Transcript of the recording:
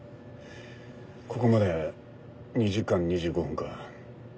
ここまで２時間２５分か。